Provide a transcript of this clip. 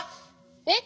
えっ？